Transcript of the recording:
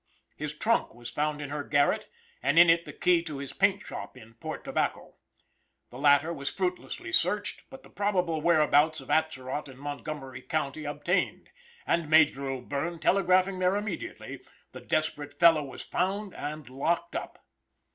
His trunk was found in her garret, and in it the key to his paint shop in Port Tobacco. The latter was fruitlessly searched, but the probable whereabouts of Atzerott in Mongomery county obtained, and Major O'Bierne telegraphing there immediately, the desperate fellow was found and locked up.